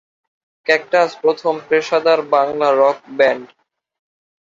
Cactus প্রথম পেশাদার Bangla rock band.